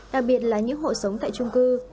đặc biệt là những hộ sống tại trung cư